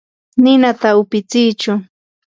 ninata upitsichu.